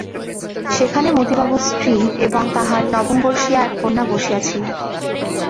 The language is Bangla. সেখানে মতিবাবুর স্ত্রী এবং তাঁহার নবমবর্ষীয়া এক কন্যা বসিয়া ছিলেন।